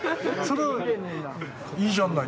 いいじゃない。